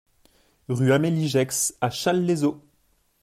Rue Amélie Gex à Challes-les-Eaux